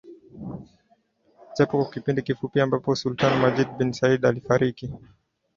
japo kwa kipindi kifupi ambapo Sultani Majid bin Said alifariki